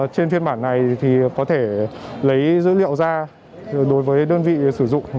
trên phiên bản này thì có thể lấy dữ liệu ra đối với đơn vị sử dụng